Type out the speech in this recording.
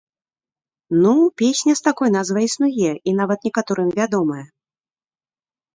Ну, песня з такой назвай існуе і нават некаторым вядомая.